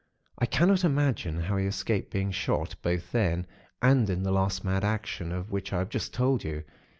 I cannot imagine how he escaped being shot, both then, and in the last mad action, of which I have just told you.